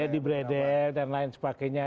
di bredel dan lain sebagainya